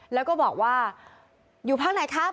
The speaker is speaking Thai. แล้วก็บอกว่าอยู่พักไหนครับ